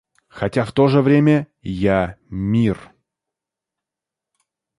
Хотя в то же время я мир.